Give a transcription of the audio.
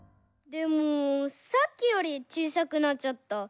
でもさっきよりちいさくなっちゃった。